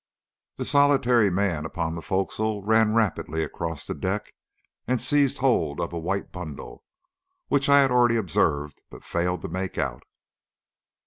The solitary man upon the forecastle ran rapidly across the deck and seized hold of a white bundle which I had already observed but failed to make out.